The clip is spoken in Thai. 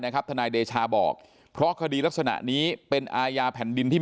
ทนายเดชาบอกเพราะคดีลักษณะนี้เป็นอาญาแผ่นดินที่มี